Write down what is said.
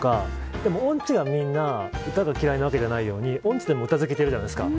でも音痴がみんな歌が嫌いなわけじゃないように音痴でも歌好きっているじゃないですか。